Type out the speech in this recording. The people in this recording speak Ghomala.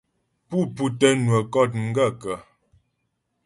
Pú pútə́ nwə kɔ̂t m gaə̂kə́ ?